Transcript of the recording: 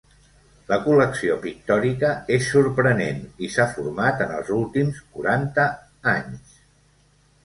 La col·lecció pictòrica és sorprenent, i s'ha format en els últims quaranta anys.